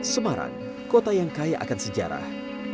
semarang kota yang kaya akan sejarah